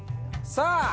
さあ！